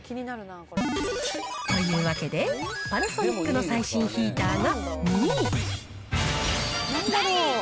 というわけで、パナソニックの最新ヒーターが２位。